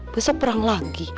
besok perang lagi